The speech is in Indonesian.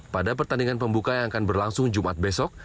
pada pertandingan pembuka yang akan berlangsung jumat besok